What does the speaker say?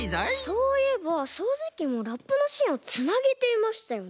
そういえばそうじきもラップのしんをつなげていましたよね。